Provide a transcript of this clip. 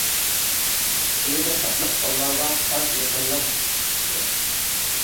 تىلى بەك تاتلىق بالىلارغا خاس يېقىملىق چىقىپتۇ.